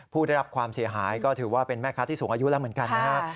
ผู้ได้รับความเสียหายก็ถือว่าเป็นแม่ค้าที่สูงอายุแล้วเหมือนกันนะฮะ